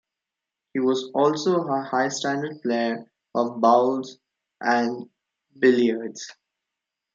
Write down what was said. He was also a high standard player of bowls and billiards.